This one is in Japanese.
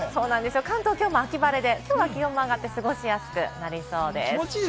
関東はきょうも秋晴れで、気温も上がって過ごしやすくなりそうです。